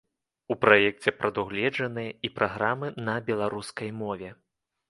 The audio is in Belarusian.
У праекце прадугледжаныя і праграмы на беларускай мове.